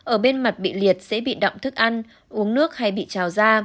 ở bên mặt bị liệt sẽ bị động thức ăn uống nước hay bị trào da